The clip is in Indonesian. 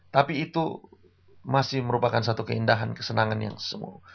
tapi itu masih merupakan satu keindahan kesenangan yang semu